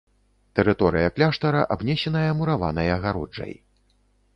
Тэрыторыя кляштара абнесеная мураванай агароджай.